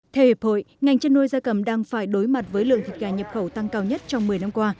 theo hiệp hội ngành chăn nuôi gia cầm đang phải đối mặt với lượng thịt gà nhập khẩu tăng cao nhất trong một mươi năm qua